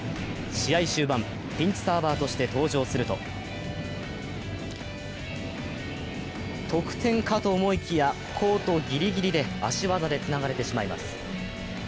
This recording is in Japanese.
試合終盤、ピンチサーバーとして登場すると得点かと思いきや、コートぎりぎりで足技でつながれてしまいます。